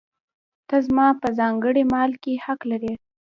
ته زما په ځانګړي مال کې حق لرې.